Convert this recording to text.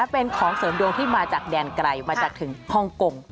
เป็นของเสริมดวงที่มาจากแดนไกลมาจากถึงฮ่องกง